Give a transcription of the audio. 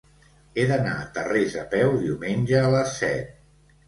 He d'anar a Tarrés a peu diumenge a les set.